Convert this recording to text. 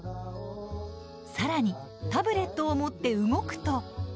さらにタブレットを持って動くと。